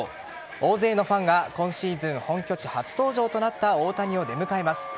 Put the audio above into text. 大勢のファンが今シーズン本拠地初登場となった大谷を出迎えます。